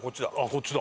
こっちだ。